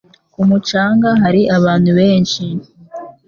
Ku mucanga hari abantu benshi.